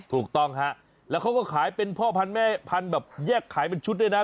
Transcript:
ถูกต้องฮะแล้วเขาก็ขายเป็นพ่อพันธุ์แม่พันธุ์แบบแยกขายเป็นชุดด้วยนะ